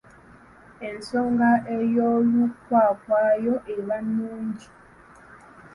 Ensoma ey'olukwakwayo eba nnungi.